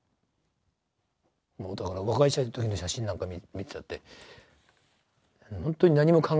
もうだから若い時の写真なんか見たってほんとに何も考えてなかったね